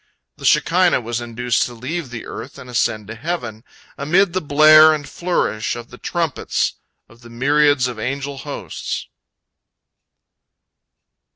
The Shekinah was induced to leave the earth and ascend to heaven, amid the blare and flourish of the trumpets of the myriads of angel hosts.